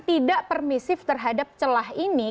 tidak permisif terhadap celah ini